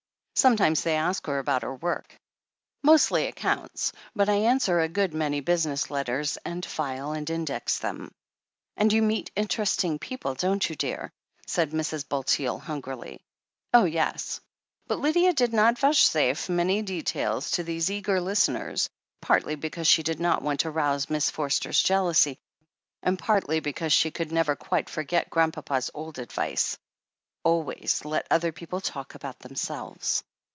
Sometimes they asked her about her work. "Mostly accounts, but I answer a good many business letters, and file and index them." "And you meet interesting people, don't you, dear ?" said Mrs. Bulteel hungrily. "Oh, yes." But Lydia did not vouchsafe many details to these eager listeners, partly because she did not want to rouse Miss Forster's jealousy, and partly because she could never quite forget Grandpapa's old advice: "Always let the other people talk about themselves."